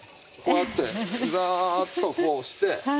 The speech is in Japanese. こうやってザーッとこうして。